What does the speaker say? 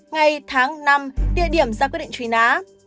ngày tháng năm địa điểm ra quyết định trùy ná